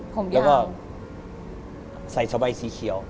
ผมยาวแล้วก็ใส่สะใบสีเขียว